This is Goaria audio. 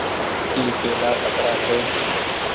اي ڪيلآ ڪترآ ڇي۔